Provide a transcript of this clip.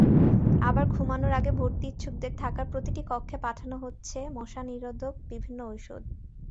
আবার ঘুমানোর আগে ভর্তি-ইচ্ছুকদের থাকার প্রতিটি কক্ষে পাঠানো হচ্ছে মশানিরোধক বিভিন্ন ওষুধ।